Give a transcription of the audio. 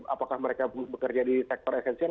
apakah mereka bekerja di sektor esensial